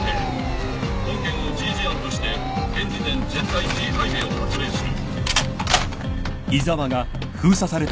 本件をＧ事案として現時点全体Ｇ配備を発令する。